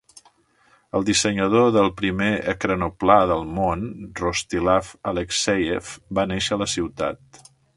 El dissenyador del primer ekranoplà del món, Rostislav Alexeiev, va néixer a la ciutat.